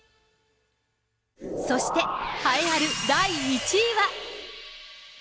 そして、栄えある第１位は。